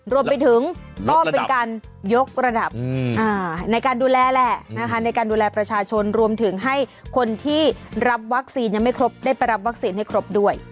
รวมไปถึงก็เป็นการยกระดับในการดูแลแหละนะคะในการดูแลประชาชนรวมถึงให้คนที่รับวัคซีนยังไม่ครบได้ไปรับวัคซีนให้ครบด้วย